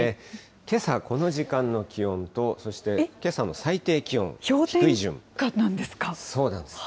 けさ、この時間の気温と、そしてけさの最低気温、低氷点下なんですか。